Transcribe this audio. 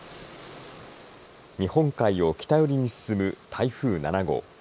日本海を北寄りに進む台風７号。